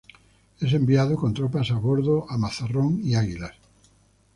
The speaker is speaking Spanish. Es enviado con tropas a bordo a Mazarrón y Águilas.